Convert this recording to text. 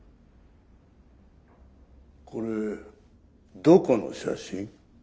これどこの写真？